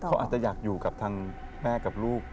เขาอาจจะอยากอยู่กับทางแม่กับลูก